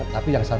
tapi jangan sabar